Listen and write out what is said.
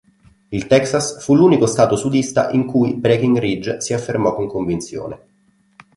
Il Texas fu l'unico stato sudista in cui Breckinridge si affermò con convinzione.